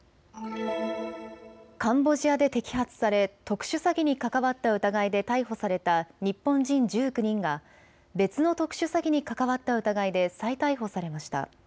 カンボジアで摘発され特殊詐欺に関わった疑いで逮捕された日本人１９人が別の特殊詐欺に関わった疑いで再逮捕されました。